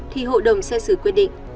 thì hội đồng xét xử quyết định